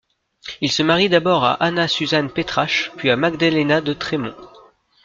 Il se marie d’abord à Anna Susanne Petrasch, puis à Magdalena de Tremon.